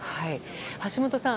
橋本さん